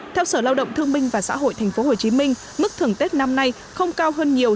theo sở lao động thương minh và xã hội tp hcm mức thưởng tết năm nay không cao hơn nhiều